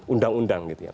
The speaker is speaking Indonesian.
undang undang gitu ya